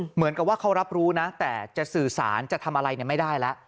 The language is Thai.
เหมือนกับว่าเขารับรู้นะแต่จะสื่อสารจะทำอะไรไม่ได้แล้ว